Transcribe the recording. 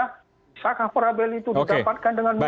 misalkan variabel itu didapatkan dengan mudah